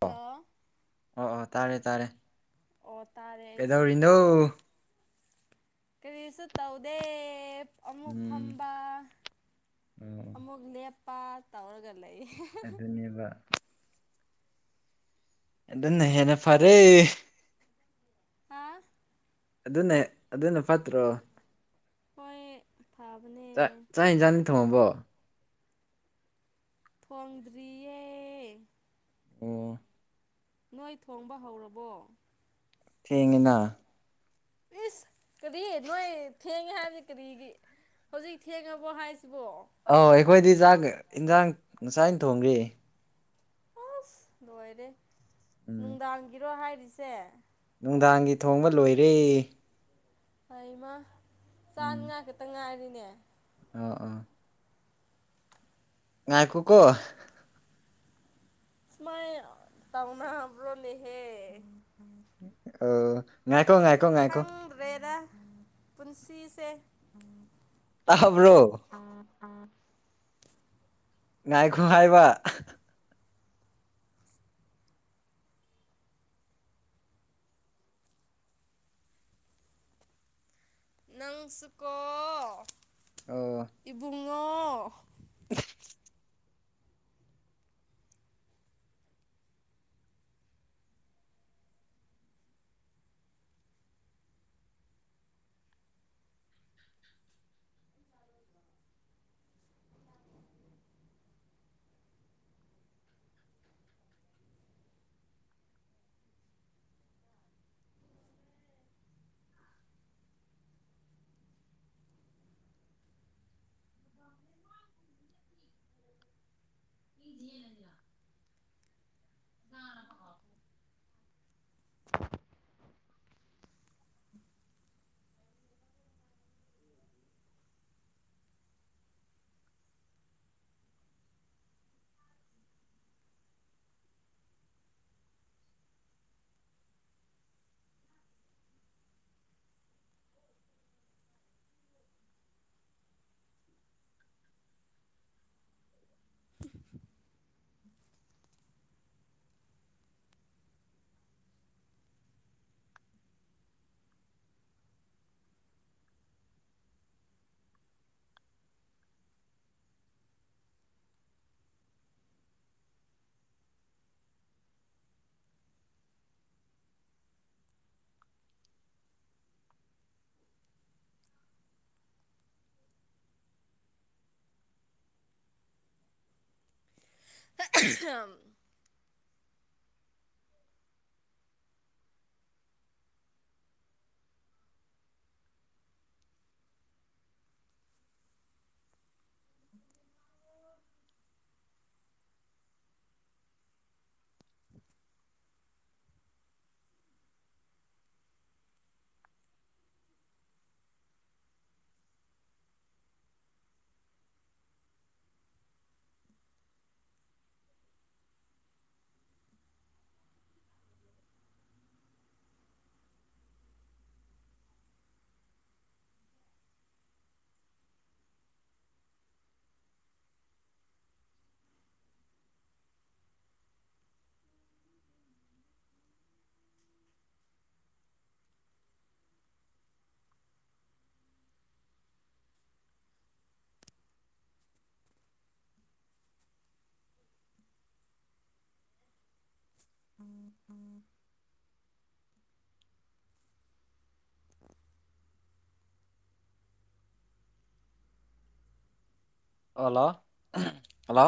ꯑ ꯍꯜꯂꯣ ꯑꯣ ꯑꯣ ꯇꯥꯔꯦ ꯇꯥꯔꯦ ꯑꯣ ꯇꯥꯔꯦ ꯑꯩꯁꯨ ꯀꯩꯗꯧꯔꯤꯅꯣ? ꯀꯔꯤꯁꯨ ꯇꯧꯗꯦ ꯫ ꯑꯃꯨꯛ ꯎꯝ ꯐꯝꯕ ꯑꯣ ꯑꯃꯨꯛ ꯂꯦꯞꯄ ꯇꯧꯔꯒ ꯂꯩ ꯫ ꯑꯗꯨꯅꯦꯕ ꯑꯗꯨꯅ ꯍꯦꯟꯅ ꯐꯔꯦ꯫ ꯍꯥꯥ ꯑꯗꯨꯅꯦ ꯑꯗꯨꯅ ꯐꯠꯇ꯭ꯔꯣ꯫ ꯍꯣꯏꯌꯦ ꯫ ꯐꯥꯕꯅꯦ ꯆꯥꯛ ꯆꯥꯛ ꯌꯦꯟꯖꯥꯥꯡꯗꯤ ꯊꯣꯡꯉꯕꯣ꯫ ꯊꯣꯡꯗꯔ꯭ꯤꯌꯦ ꯫ ꯑꯣ ꯅꯣꯏ ꯊꯣꯡꯕ ꯍꯧꯔꯕꯣ ꯊꯦꯡꯉꯤꯅ ꯏꯁ ꯀꯔꯤ ꯅꯣꯏ ꯊꯦꯡꯉꯦ ꯍꯥꯏꯕꯅꯤ ꯀꯔꯤꯒꯤ ꯍꯧꯖꯤꯛ ꯊꯦꯡꯉꯕꯣ ꯍꯥꯏꯁꯤꯕꯣ ꯑꯧ ꯑꯩꯈꯣꯏꯗꯤ ꯆꯥꯛ ꯍꯤꯟꯖꯥꯡ ꯉꯁꯥꯏꯟ ꯊꯣꯡꯒ꯭ꯔꯦ ꯑꯁ ꯂꯣꯏꯔꯦ ꯎꯝ ꯅꯨꯡꯗꯥꯡꯒꯤꯔꯣ ꯍꯥꯏꯔꯤꯁꯦ ꯅꯨꯡꯗꯥꯡꯒꯤ ꯊꯣꯡꯕ ꯂꯣꯏꯔꯦ ꯍꯩꯃꯥ ꯆꯥꯅꯤꯉꯥꯏ ꯈꯠꯇ ꯉꯥꯏꯔꯤꯅꯦ ꯑꯣ ꯑꯣ ꯉꯥꯏꯈꯣꯀꯣ ꯁꯨꯃꯥꯏ ꯇꯧꯅꯕ꯭ꯔꯣꯅꯦꯍꯦ ꯑ ꯉꯥꯏꯈꯣ ꯉꯥꯏꯈꯣ ꯉꯥꯏꯈꯣ ꯈꯪꯗ꯭ꯔꯦꯗ ꯄꯨꯟꯁꯤꯁꯦ ꯇꯥꯕ꯭ꯔꯣ ꯑꯥ ꯑ ꯉꯥꯏꯈꯣ ꯍꯥꯏꯕ ꯅꯪꯁꯨꯀꯣ ꯑꯣ ꯏꯕꯨꯡꯉꯣ [unintelligible] [inaudible] [unintelligible] ꯑ ꯎꯝ ꯎꯝ ꯑꯣꯜꯂꯣ ꯍꯜꯂꯣ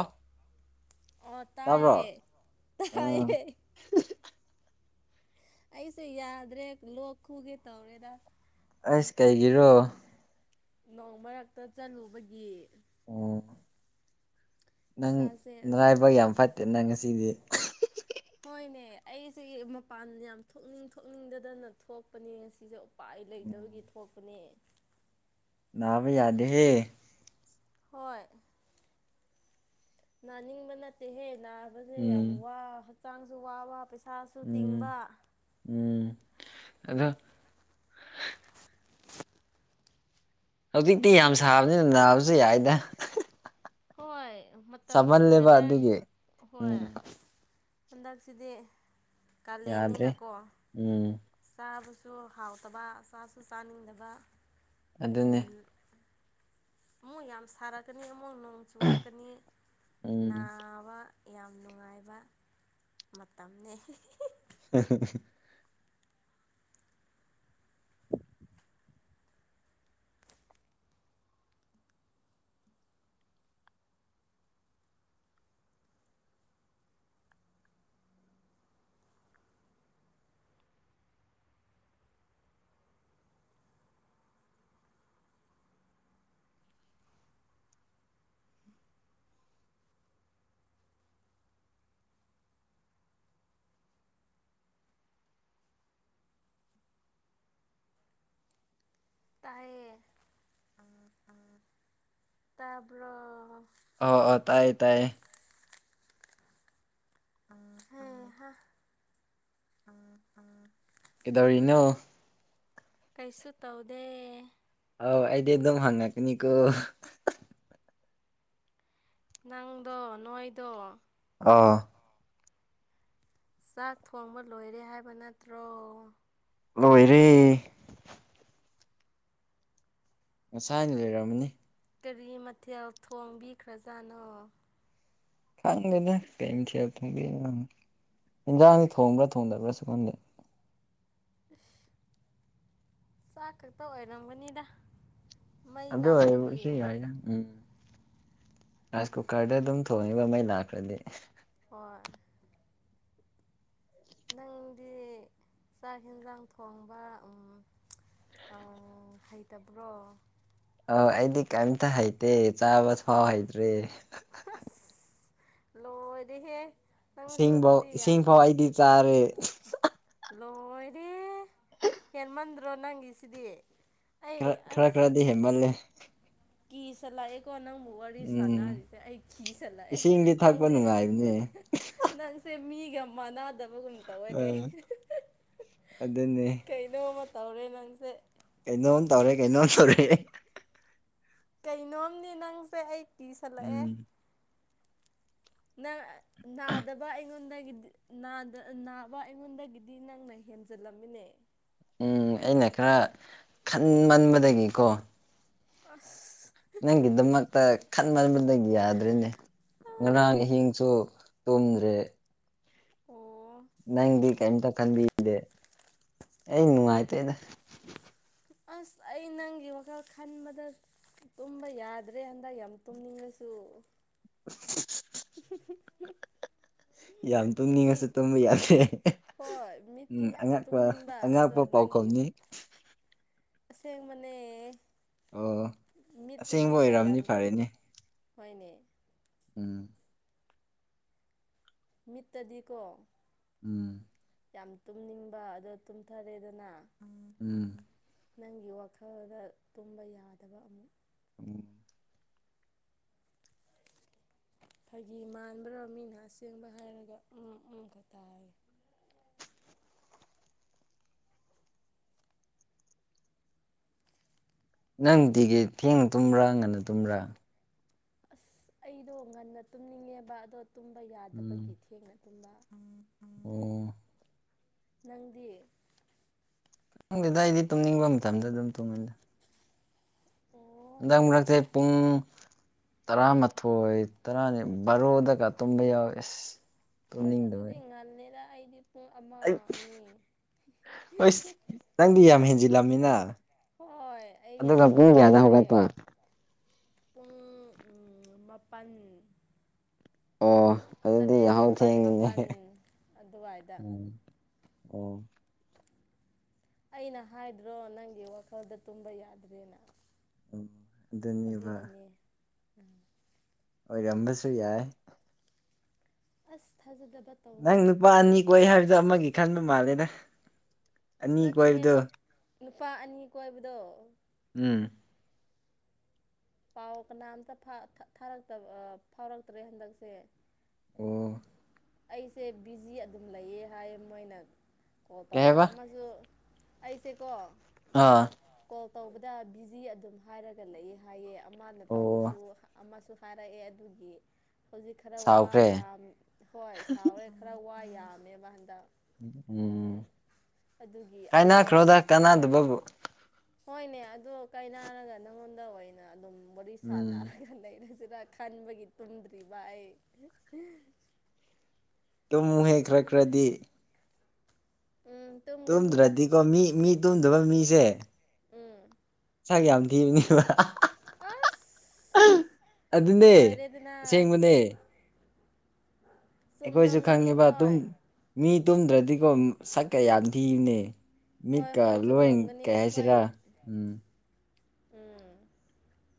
ꯑꯣ ꯇꯥꯕ꯭ꯔꯣ ꯇꯥꯏꯌꯦ ꯎꯝ ꯇꯥꯏꯌꯦ ꯑꯩꯁꯨ ꯌꯥꯗ꯭ꯔꯦ ꯂꯣꯛ ꯈꯨꯒꯦ ꯇꯧꯔꯦꯗ ꯑꯩꯁ ꯀꯩꯒꯤꯔꯣ ꯅꯣꯡ ꯃꯔꯛꯇ ꯆꯠꯂꯨꯕꯒꯤ ꯑꯣ ꯅꯪ ꯏꯁꯥꯁꯦ ꯑꯁ ꯅꯔꯥꯏꯕꯛ ꯌꯥꯝ ꯐꯠꯇꯦ ꯅꯪ ꯉꯁꯤꯗꯤ ꯍꯣꯏꯅꯦ ꯑꯩꯁꯦ ꯃꯄꯥꯟ ꯌꯥꯝ ꯊꯣꯛꯅꯤꯡ ꯊꯣꯛꯅꯤꯡꯗꯗꯅ ꯊꯣꯛꯄꯅꯦ ꯉꯁꯤꯖꯦ ꯄꯥꯏ ꯂꯩꯇꯕꯒꯤ ꯊꯣꯛꯄꯅꯦ ꯅꯥꯕ ꯌꯥꯗꯦꯍꯦ ꯍꯣꯏ ꯅꯥꯅꯤꯡꯕ ꯅꯠꯇꯦꯍꯦ ꯅꯥꯕꯖꯦ ꯌꯥꯝ ꯎꯝ ꯋꯥ ꯍꯛꯆꯥꯡꯁꯨ ꯋꯥꯕ ꯄꯩꯁꯥꯁꯨ ꯇꯤꯡꯕ ꯎꯝ ꯎꯝ ꯑꯗꯣ ꯍꯧꯖꯤꯛꯇꯤ ꯌꯥꯝ ꯁꯥꯕꯅꯤꯅ ꯅꯥꯕꯖꯨ ꯌꯥꯏꯗ ꯍꯣꯏ ꯃꯇꯝꯁꯤ ꯁꯥꯃꯜꯂꯦꯕ ꯋꯦꯗꯔꯁꯤ ꯑꯗꯨꯒꯤ ꯍꯣꯏ ꯎꯝ ꯍꯟꯗꯛꯁꯤꯗꯤ ꯌꯥꯗ꯭ꯔꯦ ꯀꯥꯂꯦꯟꯅꯤꯅꯀꯣ ꯎꯝ ꯆꯥꯕꯁꯨ ꯍꯥꯎꯇꯕ ꯆꯥꯁꯨ ꯆꯥꯅꯤꯡꯗꯕ ꯑꯗꯨꯅꯦ [unintelligible] ꯑꯃꯨꯛ ꯌꯥꯝ ꯁꯥꯔꯛꯀꯅꯤ ꯑꯃꯨꯛ ꯅꯣꯡ ꯆꯨꯔꯛ ꯀꯅꯤ ꯎꯝ ꯅꯥꯕꯥ ꯌꯥꯝ ꯅꯨꯡꯉꯥꯏꯕ ꯃꯇꯝꯅꯦ ꯑꯍꯨꯝ ꯇꯌꯦ ꯇꯥꯕꯔꯣ ꯑꯣ ꯑꯣ ꯇꯥꯏꯌꯦ ꯇꯥꯏꯌꯦ ꯍꯦ ꯍꯥ ꯎꯝ ꯎꯝ ꯀꯩꯗꯧꯔꯤꯅꯣ ꯀꯩꯁꯨ ꯇꯧꯗꯦ ꯑꯥꯎ ꯑꯗꯤ ꯑꯗꯨꯝ ꯍꯉꯀꯛꯅꯤꯀꯣ ꯅꯪꯗꯣ ꯅꯣꯏꯗꯣ ꯑꯥ ꯆꯥꯛ ꯊꯣꯡꯕ ꯂꯣꯏꯔꯦ ꯍꯥꯏꯕ ꯅꯠꯇ꯭ꯔꯣ ꯂꯣꯏꯔꯦ ꯉꯁꯥꯏꯅ ꯂꯩꯔꯝꯃꯅꯤ ꯀꯔꯤ ꯃꯊꯦꯜ ꯊꯣꯡꯕꯤꯈ꯭ꯔꯖꯥꯠꯅꯣ ꯈꯪꯗꯦꯅꯦ ꯀꯩꯃꯥꯊꯦꯜ ꯊꯣꯡꯕꯤꯅꯣ ꯏꯟꯖꯥꯡ ꯊꯣꯡꯕ꯭ꯔꯥ ꯊꯣꯡꯗꯕ꯭ꯔꯥꯁꯨ ꯈꯪꯗꯦ ꯑꯁ ꯆꯥꯛ ꯈꯛꯇ ꯑꯣꯏꯔꯝꯒꯅꯤꯗ ꯃꯩ ꯑꯗꯨ ꯂꯥꯛꯄꯒꯤ ꯑꯣꯏꯕꯨꯁꯨ ꯌꯥꯏꯗꯥ ꯎꯝ ꯔꯥꯏꯁ ꯀꯨꯀꯔꯗ ꯑꯗꯨꯝ ꯊꯣꯡꯉꯤꯕ ꯃꯩ ꯂꯥꯛꯈ꯭ꯔꯗꯤ ꯍꯣꯏ [inaudible] ꯗꯤ ꯆꯥꯛ ꯍꯟꯖꯥꯡ ꯊꯣꯡꯕ ꯎꯃ ꯑꯎ ꯍꯩꯇꯕ꯭ꯔꯣ ꯑ ꯑꯩꯗꯤ ꯀꯩꯝꯇ ꯍꯩꯇꯦ ꯆꯥꯕ ꯊꯤꯐꯥꯎ ꯍꯩꯇ꯭ꯔꯦ ꯑꯁ ꯂꯣꯏꯔꯦꯍꯦ ꯅꯪꯁꯨ ꯏꯁꯤꯡꯕꯧ ꯑꯗꯨꯗꯤ ꯌꯥꯝ ꯏꯁꯤꯡꯐꯥꯎ ꯑꯩꯗꯤ ꯆꯥꯔꯦ ꯂꯣꯏꯔꯦ ꯍꯦꯟꯃꯟꯗ꯭ꯔꯣ ꯅꯪꯒꯤꯁꯤꯗꯤ ꯑꯩ ꯈꯔ ꯈꯔ ꯑꯁ ꯈꯔꯗꯤ ꯍꯦꯟꯃꯜꯂꯦ ꯀꯤ ꯁꯤꯂꯀꯑꯦ ꯀꯣ ꯅꯪꯕꯨ ꯋꯥꯔꯤ ꯎꯝ ꯁꯥꯟꯅꯔꯤꯁꯦ ꯑꯩ ꯀꯤꯁꯜꯂꯛꯑꯦ ꯏꯁꯤꯡꯗꯤ ꯊꯛꯄ ꯅꯪꯁꯦ ꯅꯨꯡꯉꯥꯏꯕꯅꯦ ꯅꯪꯁꯦ ꯃꯤꯒꯃꯅ ꯗꯕꯒꯨꯝ ꯇꯧꯋꯦ ꯀꯩ ꯑꯥ ꯑꯗꯨꯅꯦ ꯀꯩꯅꯣꯃ ꯇꯧꯔꯦ ꯅꯪꯁꯦ ꯀꯩꯅꯣꯝ ꯇꯧꯔꯦ ꯀꯩꯅꯣꯝ ꯇꯧꯔꯦ ꯀꯩꯅꯣꯝꯅꯤ ꯅꯪꯁꯦ ꯑꯩ ꯀꯤꯁꯜꯂꯛꯑꯦ ꯎꯝ ꯅꯪ ꯅꯥꯗꯕ ꯑꯩꯉꯣꯟꯗꯒꯤꯗꯤ ꯅꯗꯥ ꯅꯥꯕ ꯑꯩꯉꯣꯟꯗꯒꯤꯗꯤ ꯅꯪꯅ ꯍꯦꯟꯖꯜꯂꯝꯃꯤꯅꯦ ꯎꯝ ꯑꯩꯅ ꯈꯔ ꯈꯟꯃꯟꯕꯗꯒꯤꯀꯣ ꯑꯁ ꯅꯪꯒꯤꯗꯃꯛꯇ ꯈꯟꯃꯟꯕꯗꯒꯤ ꯌꯥꯗ꯭ꯔꯦꯅꯦ ꯉꯔꯥꯡ ꯑꯍꯤꯡꯁꯨ ꯇꯨꯝꯗ꯭ꯔꯦ ꯑꯣ ꯅꯪꯗꯤ ꯀꯩꯝꯇ ꯈꯟꯕꯤꯗꯦ ꯑꯩ ꯅꯨꯡꯉꯥꯏꯇꯦꯗ ꯑꯁ ꯑꯩ ꯅꯪꯒꯤ ꯋꯥꯈꯜ ꯈꯟꯕꯗꯠ ꯇꯨꯝꯕ ꯌꯥꯗ꯭ꯔꯦ ꯍꯟꯗꯛ ꯌꯥꯝ ꯇꯨꯝꯅꯤꯡꯉꯁꯨ [inaudible] [unintelligible] ꯌꯥꯝ ꯃꯤꯠꯇꯤ ꯇꯨꯝꯅꯤꯉꯁꯨ ꯇꯨꯝꯕ ꯌꯥꯗꯦ ꯍꯣꯏ ꯃꯤꯠꯇꯤ ꯎꯝ ꯌꯥꯝ ꯑꯉꯛꯄ ꯇꯨꯝꯅꯤꯡꯕ ꯑꯗꯣ ꯑꯉꯛꯄ ꯅꯪꯒꯤ ꯄꯥꯎꯈꯨꯝꯅꯤ ꯑꯁꯦꯡꯕꯅꯦ ꯑꯣ ꯑꯁꯦꯡꯕ ꯃꯤꯠꯇꯗꯤꯀꯣ ꯑꯣꯏꯔꯝꯅꯤ ꯌꯥꯝ ꯐꯔꯦꯅꯦ ꯍꯣꯏꯅꯦ ꯎꯝ ꯃꯤꯠꯇꯗꯤꯀꯣ ꯎꯨꯝ ꯌꯥꯝ ꯇꯨꯝꯅꯤꯡꯕ ꯑꯗ ꯇꯨꯝꯊꯔꯦꯗꯅ ꯎꯨꯝ ꯅꯪꯒꯤ ꯋꯥꯈꯜꯗ ꯇꯨꯝꯕ ꯌꯥꯗꯕ ꯑꯃꯨꯛ ꯎꯝ ꯐꯥꯒꯤ ꯃꯥꯟꯕ꯭ꯔꯣ ꯃꯤꯅ ꯑꯁꯦꯡꯕ ꯍꯥꯏꯔꯒ ꯎꯝ ꯎꯝ ꯈꯛꯇ ꯍꯥꯏ ꯅꯪ ꯗꯤꯒꯤ ꯊꯦꯡ ꯇꯨꯝꯕ꯭ꯔꯥ ꯉꯟꯅ ꯇꯨꯝꯕ꯭ꯔꯥ ꯑꯁ ꯑꯩꯗꯣ ꯉꯟꯅ ꯇꯨꯝꯅꯤꯡꯉꯦꯕ ꯑꯗꯣ ꯇꯨꯝꯕ ꯎꯝ ꯌꯥꯗꯕꯒꯤ ꯊꯦꯡꯅ ꯇꯨꯝꯕ ꯑꯣ ꯅꯪꯗꯤ ꯈꯪꯗꯦꯗꯥ ꯑꯩꯗꯤ ꯇꯨꯝꯅꯤꯡꯕ ꯃꯇꯝꯗ ꯑꯗꯨꯝ ꯇꯨꯝꯃꯦꯗ [inaudible] ꯍꯟꯗꯛ ꯃꯔꯛꯁꯦ ꯄꯨꯡ ꯇꯔꯥꯃꯥꯊꯣꯏ ꯇꯔꯥꯅꯤ ꯚꯥꯔꯣꯗꯒ ꯇꯨꯝꯕ ꯌꯥꯎꯑꯦꯁ ꯑꯁ ꯑꯗꯨꯗꯤ ꯉꯜꯂꯦꯗ ꯑꯩꯗꯤ ꯄꯨꯡ ꯑꯩ ꯑꯃ ꯑꯅꯤ ꯑꯁ ꯅꯪꯗꯤ ꯌꯥꯝ ꯍꯦꯟꯖꯤꯜꯂꯝꯃꯦꯅ ꯍꯣꯏ ꯑꯩ ꯌꯥꯝ ꯍꯦꯟꯖꯤꯟꯈ꯭ꯔꯦ ꯍꯧꯒꯠꯄ ꯄꯨꯡ ꯎꯨꯝ ꯃꯥꯄꯟ ꯑꯣ ꯑꯗꯨꯗꯤ ꯇꯔꯦꯠ ꯌꯥꯍꯧ ꯅꯤꯄꯥꯟ ꯊꯦꯡꯉꯤꯅꯦ ꯃꯥꯄꯟ ꯑꯗꯨꯋꯥꯏꯗ ꯎꯝ ꯑꯩꯅ ꯍꯥꯏꯗ꯭ꯔꯣ ꯅꯪꯒꯤ ꯋꯥꯈꯜꯗ ꯇꯨꯝꯕ ꯌꯥꯗ꯭ꯔꯦꯅ ꯎꯝ ꯑꯗꯨꯅꯦꯕ ꯑꯗꯨꯒꯤꯅꯦ ꯑꯥ ꯑꯣꯏꯔꯝꯕꯁꯨ ꯌꯥꯏ ꯑꯁ ꯊꯥꯖꯗꯕ ꯅꯪ ꯇꯧꯒꯅꯨ ꯅꯨꯄꯥ ꯑꯅꯤ ꯀꯣꯏ ꯍꯥꯏꯕꯗꯣ ꯑꯃꯒꯤ ꯈꯟꯕ ꯃꯥꯜꯂꯦꯗ ꯑꯅꯤ ꯅꯠꯇꯦꯍꯦ ꯀꯣꯏꯕꯗꯣ ꯅꯨ ꯅꯨꯄꯥ ꯑꯅꯤ ꯀꯣꯏꯕꯗꯣ ꯎꯝ ꯄꯥꯎ ꯀꯅꯥꯝꯇ ꯊꯥ ꯊꯥ ꯊꯥꯔꯛꯇꯕ ꯑꯥ ꯐꯥꯎꯔꯛꯇ꯭ꯔꯦ ꯍꯟꯗꯛꯁꯦ ꯑꯣ ꯑꯩꯁꯦ ꯕꯤꯖꯤ ꯑꯗꯨꯝ ꯂꯩꯌꯦ ꯍꯥꯏ ꯃꯣꯏꯅ ꯀꯣꯜ ꯀꯩ ꯇꯧꯔꯛꯄ ꯍꯥꯏꯕ ꯑꯃꯁꯨ ꯑꯩꯁꯦꯀꯣ ꯑꯥ ꯑ ꯀꯣꯜ ꯇꯧꯕꯗ ꯕꯤꯖꯤ ꯑꯗꯨꯝ ꯍꯥꯏꯔꯒ ꯂꯩ ꯍꯥꯏꯌꯦ ꯑꯃꯅ ꯑꯣ ꯇꯧꯔꯁꯨ ꯑꯃꯁꯨ ꯊꯥꯔꯛꯑꯦ ꯑꯗꯨꯒꯤ ꯍꯧꯖꯤꯛ ꯈꯔ ꯋꯥ ꯁꯥꯎꯈ꯭ꯔꯦ ꯌꯥꯝ ꯍꯣꯏ ꯁꯥꯎꯔꯦ ꯈꯔ ꯋꯥ ꯌꯥꯝꯃꯦꯕ ꯍꯟꯗꯛ ꯎꯝ ꯑꯗꯨꯒꯤ ꯑꯩꯗꯣ ꯑꯁ ꯀꯥꯏꯅꯈ꯭ꯔꯣꯗ ꯀꯅꯥꯗꯨꯕꯕꯨ ꯍꯣꯏꯅꯦ ꯑꯗꯨ ꯀꯥꯏꯅꯔꯒ ꯅꯪꯉꯣꯟꯗ ꯑꯣꯏꯅ ꯑꯗꯨꯝ ꯋꯥꯔꯤ ꯎꯝ ꯁꯥꯟꯅꯔꯒ ꯂꯩꯔꯁꯤꯔ ꯈꯟꯕꯒꯤ ꯇꯨꯝꯗ꯭ꯔꯤꯕ ꯑꯩ ꯇꯨꯝꯃꯨꯍꯦ ꯈ꯭ꯔ ꯈ꯭ꯔꯗꯤ ꯎꯝ ꯇꯨꯝꯒꯅꯤꯗ ꯇꯨꯝꯗ꯭ꯔꯗꯤꯀꯣ ꯃꯤ ꯃꯤ ꯇꯨꯝꯗꯕ ꯃꯤꯁꯦ ꯎꯝ ꯁꯛ ꯌꯥꯝ ꯊꯤꯕꯅꯦꯕ ꯑꯁ ꯑꯗꯨꯅꯦ ꯂꯣꯏꯔꯦꯗꯅ ꯑꯁꯦꯡꯕꯅꯦ [unintelligible] ꯑꯩꯈꯣꯏꯁꯨ ꯈꯪꯉꯤꯕ ꯑꯗꯨꯝ ꯍꯣꯏ ꯃꯤ ꯇꯨꯝꯗ꯭ꯔꯗꯤꯀꯣ ꯁꯛꯀ ꯌꯥꯝ ꯊꯤꯕꯅꯦ ꯍꯣꯏ ꯃꯤꯠꯀ ꯍꯣꯏ ꯂꯣꯏ ꯆꯨꯝꯔꯝꯒꯅꯤ ꯀꯩ ꯑꯩꯈꯣꯏ ꯍꯥꯏꯁꯤꯔꯥ ꯎꯝ ꯎꯝ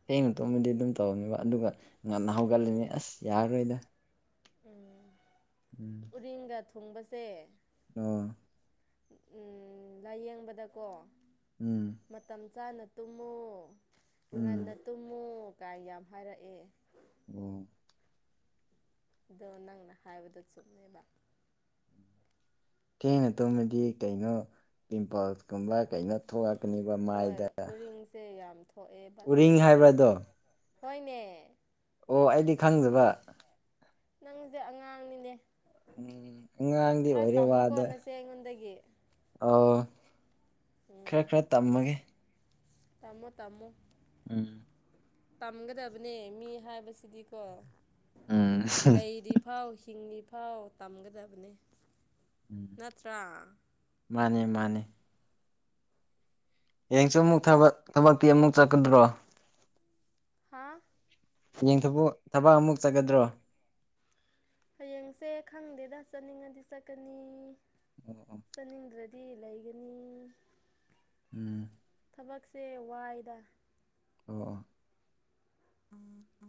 ꯊꯦꯡꯅ ꯇꯨꯝꯃꯗꯤ ꯑꯗꯨꯝ ꯇꯧꯅꯤꯕ ꯑꯗꯨꯒ ꯉꯟꯅ ꯍꯧꯒꯠꯂꯅꯤ ꯎꯝ ꯑꯁ ꯌꯥꯔꯔꯣꯏꯗ ꯎꯝ ꯎꯔꯤꯡꯒ ꯊꯨꯡꯕꯁꯦ ꯎꯝ ꯎꯝ ꯂꯥꯏꯌꯦꯡꯕꯗꯀꯣ ꯎꯝ ꯃꯇꯝ ꯆꯥꯅ ꯇꯨꯝꯃꯨ ꯎꯝ ꯉꯟꯅ ꯇꯨꯝꯃꯨ ꯀꯥꯏ ꯌꯥꯝ ꯍꯥꯏꯔꯛꯑꯦ ꯎꯝ ꯑꯗꯣ ꯅꯪꯅ ꯍꯥꯏꯕꯗꯣ ꯆꯨꯝꯃꯦꯕ ꯊꯦꯡꯅ ꯇꯨꯝꯃꯗꯤ ꯀꯩꯅꯣ ꯄꯤꯝꯄꯜꯁ ꯀꯨꯝꯕ ꯀꯩꯅꯣ ꯊꯣꯛꯂꯛꯀꯅꯤꯕ ꯍꯣꯏ ꯃꯥꯏꯗ ꯎꯔꯤꯡꯁꯦ ꯌꯥꯝ ꯊꯣꯛꯑꯦꯕ ꯎꯔꯤꯡ ꯊꯦꯡꯅ ꯍꯥꯏꯕ꯭ꯔꯥꯗꯣ ꯇꯨꯝꯕꯗ ꯍꯣꯏꯅꯦ ꯑꯣ ꯑꯩꯗꯤ ꯈꯪꯗꯕ ꯅꯪꯖꯦ ꯑꯉꯥꯡꯅꯤꯅꯦ ꯎꯝ ꯑꯉꯥꯡꯗꯤ ꯈꯔ ꯑꯣꯏꯔꯦ ꯇꯝꯃꯨꯀꯣ ꯋꯥꯗ ꯅꯆꯦ ꯑꯩꯉꯣꯟꯗꯒꯤ ꯑꯧ ꯎꯝ ꯈꯔ ꯈꯔ ꯇꯝꯃꯒꯦ ꯇꯝꯃꯣ ꯇꯝꯃꯣ ꯎꯝ ꯇꯝꯒꯗꯕꯅꯦ ꯃꯤ ꯍꯥꯏꯕꯁꯤꯗꯤꯀꯣ ꯎꯝ ꯂꯩꯔꯤ ꯐꯥꯎ ꯍꯤꯡꯉꯤ ꯐꯥꯎ ꯇꯝꯒꯗꯕꯅꯦ ꯎꯝ ꯅꯠꯇ꯭ꯔꯥ ꯃꯥꯅꯦ ꯃꯥꯅꯦ ꯍꯌꯦꯡꯁꯨ ꯑꯃꯨꯛ ꯊꯕꯛ ꯊꯕꯛꯇꯤ ꯑꯃꯨꯛ ꯆꯠꯀꯗ꯭ꯔꯣ ꯍꯥꯥ ꯍꯌꯦꯡ ꯊꯕꯛ ꯊꯕꯛ ꯑꯃꯨꯛ ꯆꯠꯀꯗ꯭ꯔꯣ ꯍꯌꯦꯡꯁꯦ ꯈꯪꯗꯦꯗ ꯆꯠꯅꯤꯡꯉꯗꯤ ꯆꯠꯀꯅꯤ ꯑꯣ ꯑꯣ ꯆꯠꯅꯤꯡꯗ꯭ꯔ ꯗꯤ ꯂꯩꯒꯅꯤ ꯎꯝ ꯊꯕꯛꯁꯦ ꯋꯥꯏꯗ ꯑꯣꯑꯣ [unintelligible]